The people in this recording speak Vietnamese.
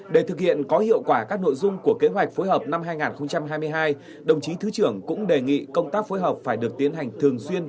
để thực hiện có hiệu quả các nội dung của kế hoạch phối hợp năm hai nghìn hai mươi hai đồng chí thứ trưởng cũng đề nghị công tác phối hợp phải được tiến hành thường xuyên